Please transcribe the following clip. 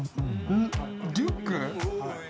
リュック？